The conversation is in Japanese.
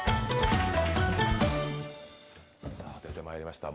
さあ出てまいりました。